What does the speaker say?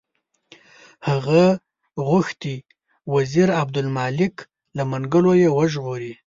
هغه غوښتي وزیر عمادالملک له منګولو یې وژغوري.